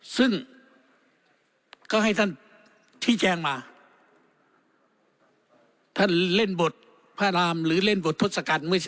ซึ่งก็ให้ท่านชี้แจงมาท่านเล่นบทพระรามหรือเล่นบททศกัณฐ์